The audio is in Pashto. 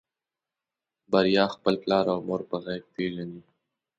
بريا خپل پلار او مور په غږ پېژني.